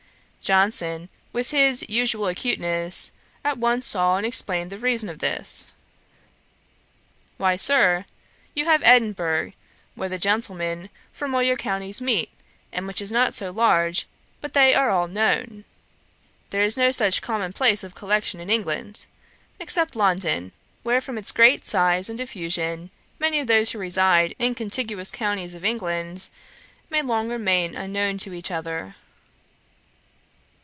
Johnson, with his usual acuteness, at once saw and explained the reason of this; 'Why, Sir, you have Edinburgh, where the gentlemen from all your counties meet, and which is not so large but they are all known. There is no such common place of collection in England, except London, where from its great size and diffusion, many of those who reside in contiguous counties of England, may long remain unknown to each other.'